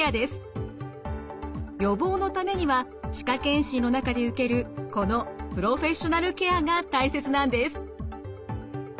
予防のためには歯科健診の中で受けるこのプロフェッショナルケアが大切なんです。